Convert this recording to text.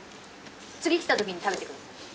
次きたときに食べてください。